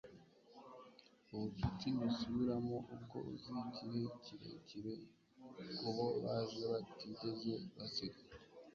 ubucuti busubiramo uwo uzi igihe kirekire kubo baje batigeze basiga